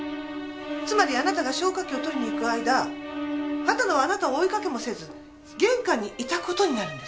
つまりあなたが消火器を取りに行く間秦野はあなたを追いかけもせず玄関にいた事になるんですよ？